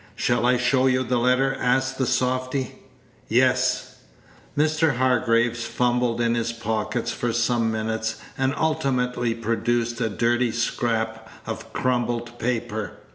"Shall I show you the letter?" asked the softy. "Yes." Page 168 Mr. Hargraves fumbled in his pockets for some minutes, and ultimately produced a dirty scrap of crumpled paper.